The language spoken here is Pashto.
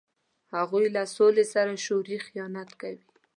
هغوی له سولې سره شعوري خیانت کوي.